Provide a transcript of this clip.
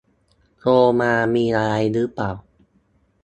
โทรมามีอะไรหรือเปล่า